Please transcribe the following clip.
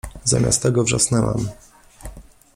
Zamiast tego wrzasnęłam